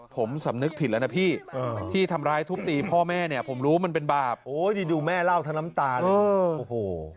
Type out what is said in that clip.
พ่อแม่เนี่ยผมรู้มันเป็นบาปโอ้ยดิดูแม่เล่าทั้งน้ำตาเลยโอ้โห